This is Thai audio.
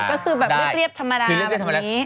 ก็คือแบบเรียบธรรมดาแบบนี้